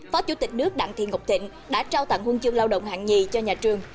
phó chủ tịch nước đặng thị ngọc thịnh đã trao tặng huân chương lao động hạng nhì cho nhà trường